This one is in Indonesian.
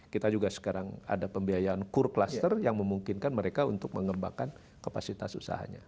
kita juga sekarang ada pembiayaan core cluster yang memungkinkan mereka untuk mengembangkan kapasitas usahanya